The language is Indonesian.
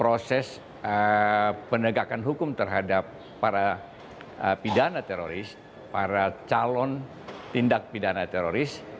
proses penegakan hukum terhadap para pidana teroris para calon tindak pidana teroris